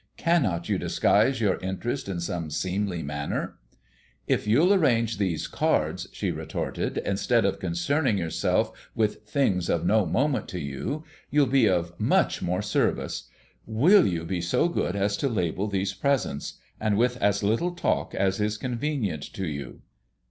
Cannot you disguise your interest in some seemly manner?" "If you'll arrange these cards," she retorted, "instead of concerning yourself with things of no moment to you, you'll be of much more service. Will you be so good as to label these presents and with as little talk as is convenient to you?"